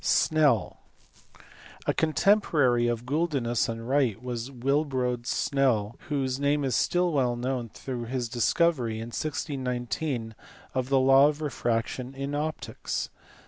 Snell. A contemporary of Guldinus and Wright was Willebrod Snell, whose name is still well known through his discovery in 1619 of the law of refraction in optics.